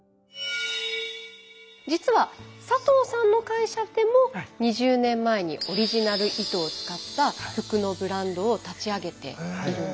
実は佐藤さんの会社でも２０年前にオリジナル糸を使った服のブランドを立ち上げているんですよね。